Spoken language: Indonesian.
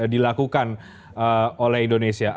dilakukan oleh indonesia